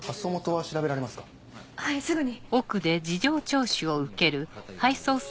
はいすぐに。